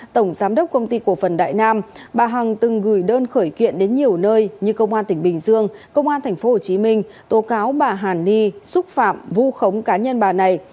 tổng giám đốc công ty cổ phần đại nam bà hằng từng gửi đơn khởi kiện đến nhiều nơi như công an tỉnh bình dương công an tp hcm tố cáo bà hàn ni xúc phạm vu khống cá nhân bà này